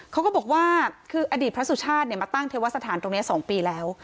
เขาก็บอกว่าคืออดีตพระสุชาติมาตั้งเทวสถานตรงนี้๒ปีแล้ว